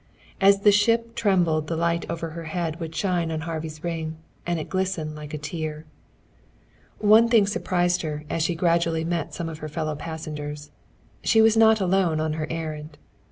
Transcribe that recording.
And as the ship trembled the light over her head would shine on Harvey's ring, and it glistened like a tear. One thing surprised her as she gradually met some of her fellow passengers. She was not alone on her errand.